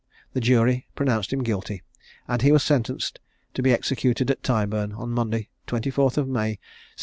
The jury pronounced him guilty, and he was sentenced to be executed at Tyburn, on Monday the 24th of May, 1725.